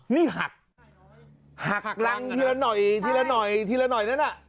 นี่หักหักรังทีละหน่อยทีละหน่อยทีละหน่อยนั้นน่ะ